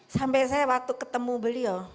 sampai saya waktu ketemu beliau